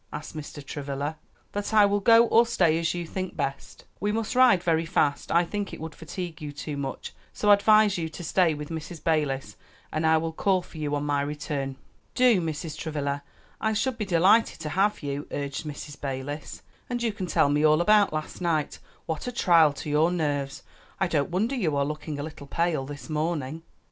asked Mr. Travilla. "That I will go or stay as you think best." "We must ride very fast; I think it would fatigue you too much; so advise you to stay with Mrs. Balis, and I will call for you on my return." "Do, Mrs. Travilla! I should be delighted to have you," urged Mrs. Balis; "and you can tell me all about last night. What a trial to your nerves! I don't wonder you are looking a little pale this morning."